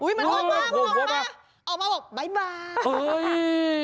อุ๊ยมันออกมาออกมาออกมาบอกบ๊ายบายเอ้ย